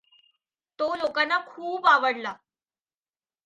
तो लोकांना खूप आवडला.